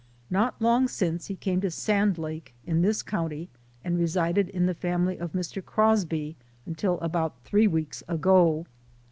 Xot long since he came to Sand lake, in this county, and resided in the family of Mr. Crosby until about three weeks ago.